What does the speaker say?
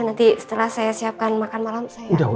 nanti setelah saya siapkan makan malam saya